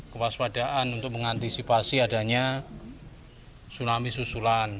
kewaspadaan untuk mengantisipasi adanya tsunami susulan